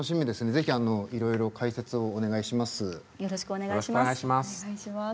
是非いろいろ解説をお願いします。